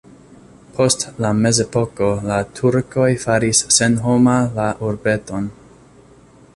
Post la mezepoko la turkoj faris senhoma la urbeton.